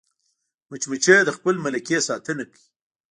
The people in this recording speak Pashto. مچمچۍ د خپل ملکې ساتنه کوي